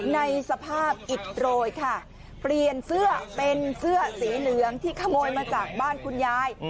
ในสภาพอิดโรยค่ะเปลี่ยนเสื้อเป็นเสื้อสีเหลืองที่ขโมยมาจากบ้านคุณยาย